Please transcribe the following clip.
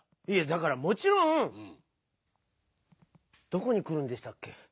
いやだからもちろんどこにくるんでしたっけ？